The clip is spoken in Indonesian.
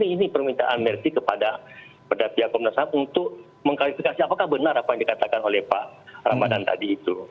ini permintaan mersi kepada pihak komnas ham untuk mengklarifikasi apakah benar apa yang dikatakan oleh pak ramadhan tadi itu